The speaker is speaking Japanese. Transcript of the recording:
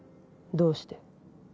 どうして？